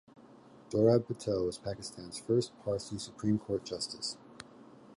Dorab Patel was Pakistan's first Parsi Supreme Court Justice.